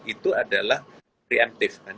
itu adalah re empty plan